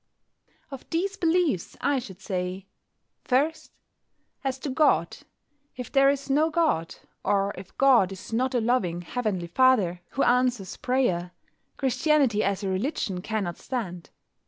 Of these beliefs I should say: 1. As to God. If there is no God, or if God is not a loving Heavenly Father, who answers prayer, Christianity as a religion cannot stand.